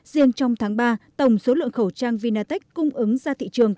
riêng trong tháng ba tổng số lượng khẩu trang vinatech cung ứng ra thị trường